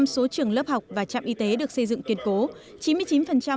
một trăm linh số trường lớp học và trạm y tế được xây dựng kiên cố